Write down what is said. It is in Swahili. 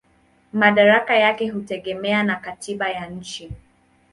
Madaraka yake hutegemea na katiba ya nchi.